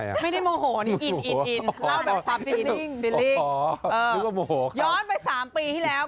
ย้อนไป๓ปีที่แล้ว